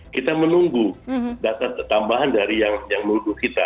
kita menunggu data tambahan dari yang menuduh kita